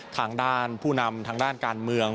ทางด้านผู้นำทางด้านการเมือง